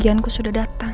aku pikir aku sudah datang